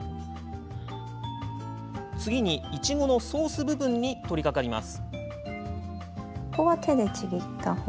次に、いちごのソース部分に取りかかります。